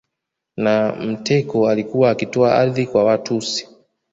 Na mteko alikuwa akitoa ardhi kwa Watusi